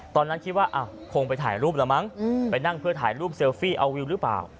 ตอนนั้นคิดว่าคงไปถ่ายรูปแล้วมั้งไปนั่งเพื่อถ่ายรูปเซลฟี่เอาวิวหรือเปล่า